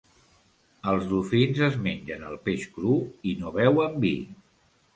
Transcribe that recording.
Els dofins es mengen el peix cru i no beuen vi.